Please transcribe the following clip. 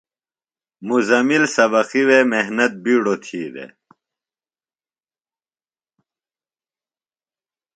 مزمل سبقیۡ وے محنت بِیڈوۡ تھی دےۡ۔